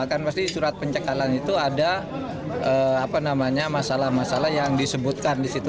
kan pasti surat pencekalan itu ada masalah masalah yang disebutkan di situ